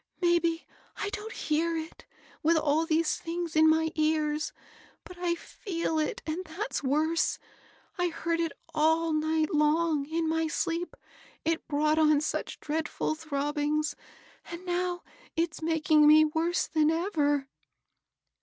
^^ Maybe I don't hear it, with all these things in my ears, but I feel it, and that's worse. I heard it all night long in my sleep ; it brought on such dreadful throbbings! and now it's making me worse than ever."